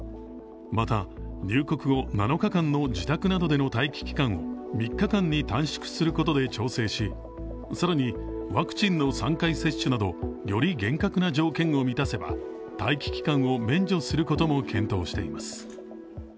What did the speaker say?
また入国後、７日間の自宅待機を、３日間に短縮することで調整し更にワクチンの３回接種などより厳格な条件を満たせば待機期間を免除することも検討しています。